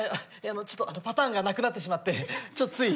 ちょっとパターンがなくなってしまってちょっとつい。